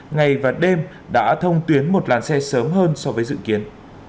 ngày và đêm đã thông tuyến một làn xe sớm hơn so với dự kiến